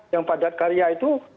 yang padat karya itu